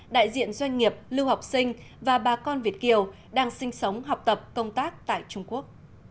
đại diện doanh nghiệp lưu học sinh và bà con việt kiều đang sinh sống học tập công tác tại trung quốc